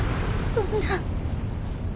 そんな。